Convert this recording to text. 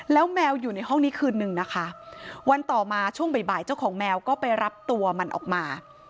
แล้วแมวอยู่ในห้องนี้คืนนึงนะคะวันต่อมาช่วงบ่ายเจ้าของแมวก็ไปรับตัวมันออกมา